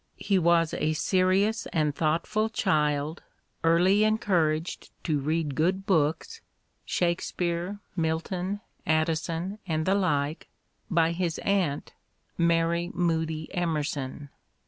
He was a serious and thoughtful child, early encouraged to read good books — Shakespeare, Milton, Addison, and the like — ^byhis aunt, Mary Moody Emerson.